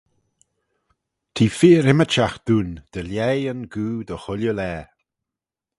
T'eh feer ymmyrçhagh dooin, dy lhaih yn goo dy chooilley laa.